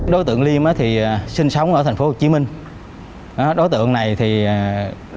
đối tượng liêm sinh sống ở thành phố hồ chí minh đối tượng này rất nhanh nhẹn